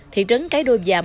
thị trấn cái đô giàm